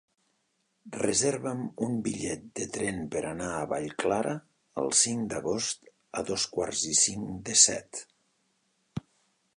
Reserva'm un bitllet de tren per anar a Vallclara el cinc d'agost a dos quarts i cinc de set.